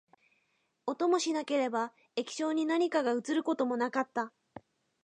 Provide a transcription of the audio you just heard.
音もしなければ、液晶に何かが写ることもなかった